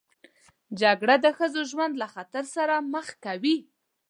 جګړه د ښځو ژوند له خطر سره مخ کوي